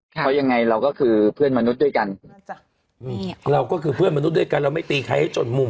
เพราะยังไงเราก็คือเพื่อนมนุษย์ด้วยกันเราก็คือเพื่อนมนุษย์ด้วยกันเราไม่ตีใครให้จนมุม